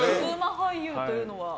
俳優というのは。